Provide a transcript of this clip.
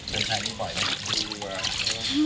เต็มชัยนี่บ่อยไหม